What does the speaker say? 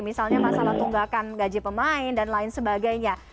misalnya masalah tunggakan gaji pemain dan lain sebagainya